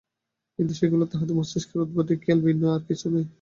কিন্তু সেগুলি তাঁহাদের মস্তিষ্কের উদ্ভট খেয়াল ভিন্ন আর কিছুই নয়।